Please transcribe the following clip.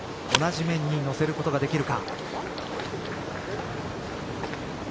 同じ面にのせることができるか。